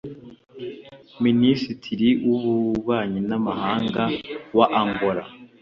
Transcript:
Minisitiri w’Ububanyi n’Amahanga wa Angola